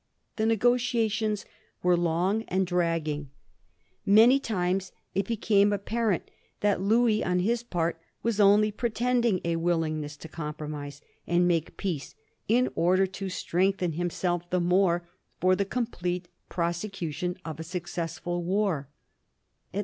The negotiations were long and dragging. Many times it became apparent that Louis on his part was only pre tending a willingness to compromise and make peace in order to strengthen himself the more for the complete prosecution of a successful war.